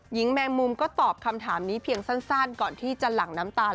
แมงมุมก็ตอบคำถามนี้เพียงสั้นก่อนที่จะหลั่งน้ำตาล